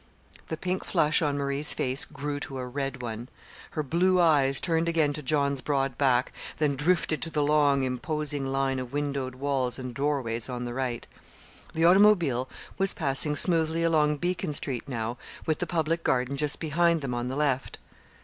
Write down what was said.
The pink flush on Marie's face grew to a red one. Her blue eyes turned again to John's broad back, then drifted to the long, imposing line of windowed walls and doorways on the right. The automobile was passing smoothly along Beacon Street now with the Public Garden just behind them on the left.